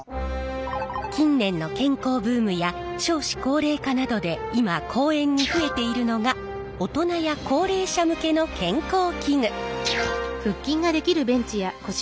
近年の健康ブームや少子高齢化などで今公園に増えているのが大人や高齢者向けの健康器具。